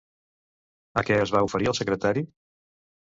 A què es va oferir el secretari?